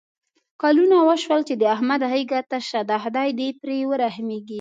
کلونه وشول چې د احمد غېږه تشه ده. خدای دې پرې ورحمېږي.